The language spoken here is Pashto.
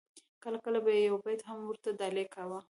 کله کله به یې یو بیت هم ورته ډالۍ کاوه.